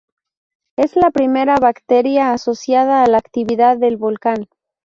Es la primera bacteria asociada a la actividad del volcán.